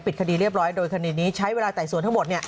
คดีเรียบร้อยโดยคดีนี้ใช้เวลาไต่สวนทั้งหมด